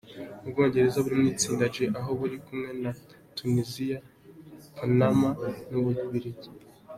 Ubwongereza buri mu itsinda G aho buri kumwe na Tuniziya, Panama n'Ububiligi.